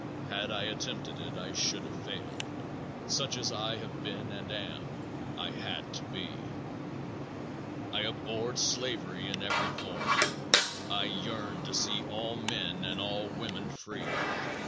Had I attempted it I should have failed. Such as I have been and am, I had to be. I abhorred slavery in every form. I yearned to see all men and all women free.